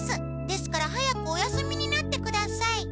ですから早くお休みになってください。